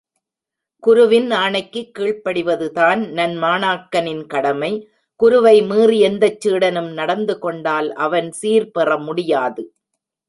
குருவின் ஆணைக்குக் கீழ்ப்படிவதுதான் நன்மாணாக்கனின் கடமை குருவை மீறி எந்தச் சீடனும் நடந்துகொண்டால் அவன் சீர் பெற முடியாது.